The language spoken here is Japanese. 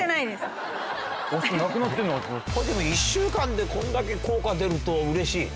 これでも１週間でこんだけ効果出るとうれしいね。